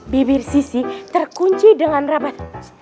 bibir sisi terkunci dengan rabat